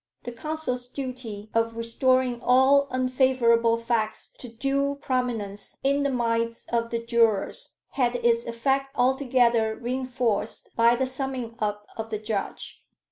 The counsel's duty of restoring all unfavorable facts to due prominence in the minds of the jurors, had its effect altogether reinforced by the summing up of the judge.